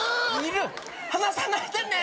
離さないでね。